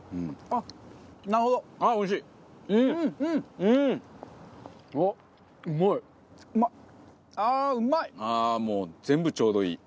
ああもう全部ちょうどいい。